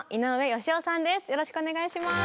よろしくお願いします。